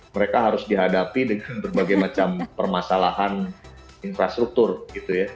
mereka harus dihadapi dengan berbagai macam permasalahan infrastruktur gitu ya